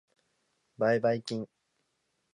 買掛金